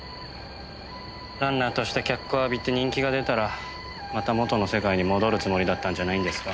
ランナーとして脚光浴びて人気が出たらまたもとの世界に戻るつもりだったんじゃないんですか？